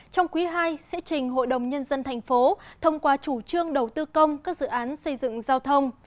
trong quý ii sẽ trình hội đồng nhân dân thành phố thông qua chủ trương đầu tư công các dự án xây dựng giao thông